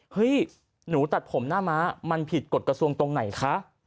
เฮ้ยหนูตัดผมหน้าม้ามันผิดกฎกระทรวงตรงไหนคะ